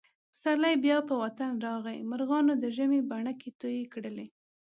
پسرلی بیا په وطن راغی. مرغانو د ژمي بڼکې تویې کړلې.